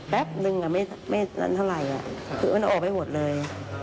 แป๊บนึงไม่นานเท่าไหร่คือมันออกไปหมดเลย